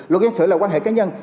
luật dân sự là quan hệ cá nhân